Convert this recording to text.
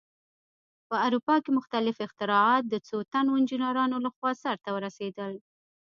په اروپا کې مختلف اختراعات د څو تنو انجینرانو لخوا سرته ورسېدل.